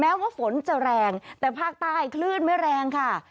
ว่าฝนจะแรงแต่ภาคใต้คลื่นไม่แรงค่ะ